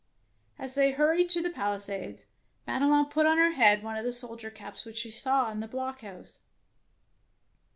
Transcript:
As they hurried to the palisades, Madelon put on her head one of the soldier caps which she saw in the blockhouse.